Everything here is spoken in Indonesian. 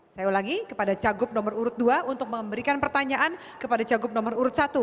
saya ulangi kepada cagup nomor urut dua untuk memberikan pertanyaan kepada cagup nomor urut satu